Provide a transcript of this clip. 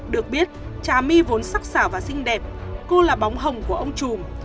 được biết trà my vốn sắc xảo và xinh đẹp cô là bóng hồng của ông trùm